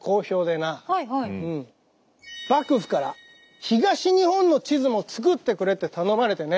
幕府から東日本の地図も作ってくれって頼まれてね。